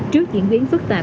trước diễn biến phức tạp